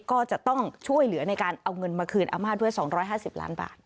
ก็จะต้องช่วยเหลือในการเอาเงินมาคืนอาม่าด้วย๒๕๐ล้านบาท